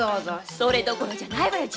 それどころじゃないわよ。